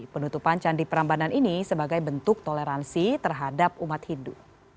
penutupan candi perambanan ini sebagai bentuk toleransi terhadap umat hindu